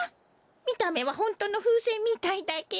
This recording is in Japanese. みためはホントのふうせんみたいだけど。